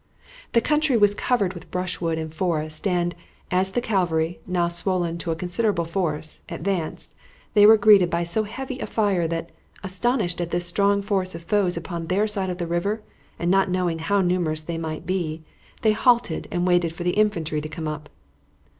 The country was covered with brushwood and forest and, as the cavalry, now swollen to a considerable force, advanced, they were greeted by so heavy a fire that, astonished at this strong force of foes upon their side of the river, and not knowing how numerous they might be, they halted and waited for the infantry to come up.